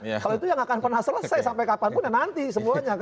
kalau itu ya nggak akan pernah selesai sampai kapanpun ya nanti semuanya kan